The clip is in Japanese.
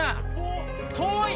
遠い！